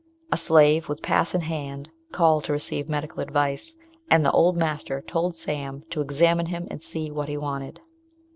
A slave, with pass in hand, called to receive medical advice, and the master told Sam to examine him and see what he wanted.